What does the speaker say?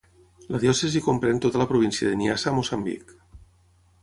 La diòcesi comprèn tota la província de Niassa a Moçambic.